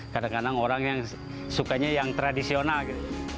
kadang kadang orang yang sukanya yang tradisional gitu